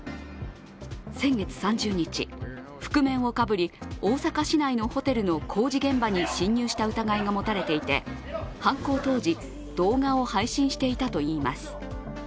先月３０日、覆面をかぶり、大阪市内のホテルの工事現場に侵入した疑いが持たれていて犯行当時、動画を配信していたといいます。